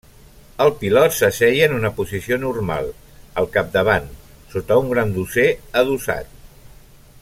El pilot s'asseia en una posició normal, al capdavant, sota un gran dosser adossat.